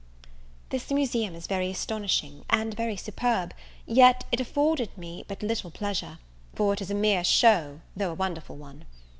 This Museum is very astonishing, and very superb; yet if afforded me but little pleasure, for it is a mere show, though a wonderful one.